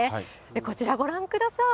こちらご覧ください。